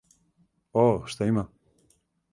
О, шта има?